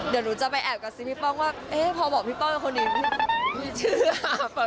เดี๋ยวหนูจะไปแอบกับสิพี่ป้องว่าพอบอกพี่ป้องเป็นคนอื่น